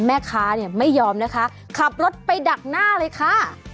แม่ค้าเนี่ยไม่ยอมนะคะขับรถไปดักหน้าเลยค่ะ